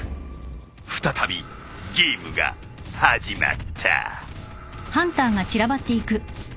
再びゲームが始まった。